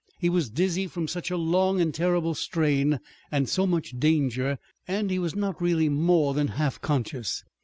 He was dizzy from such a long and terrible strain and so much danger, and he was not really more than half conscious.